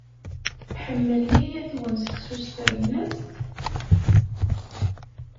Tḥemmel yaya-twen seksu s ternast?